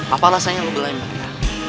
apa alasannya lo belai mereka